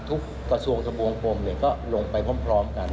กระทรวงทะบวงกลมก็ลงไปพร้อมกัน